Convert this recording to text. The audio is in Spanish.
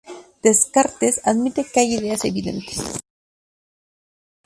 Descartes admite que hay ideas evidentes.